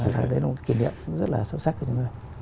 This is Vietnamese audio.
cái đấy là một kỷ niệm rất là sâu sắc của chúng tôi